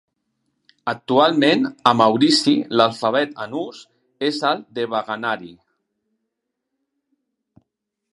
Actualment, a Maurici l'alfabet en ús és el Devanagari.